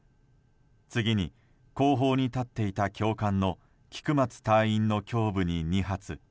次に、後方に立っていた教官の菊松隊員の胸部に２発。